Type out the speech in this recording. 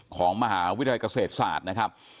ของมหาวิทยากเศรษษน์สาตรนะครับ